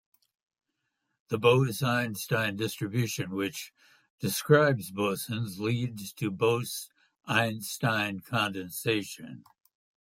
The Bose-Einstein distribution which describes bosons leads to Bose-Einstein condensation.